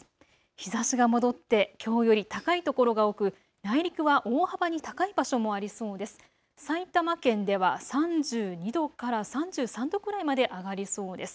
日ざしが戻って、きょうより高い所が多く内陸は大幅に高い場所もありそうです。